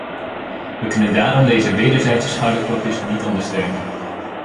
We kunnen daarom deze wederzijdse schouderklopjes niet ondersteunen.